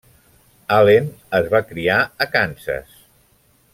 Allen es va criar a Kansas.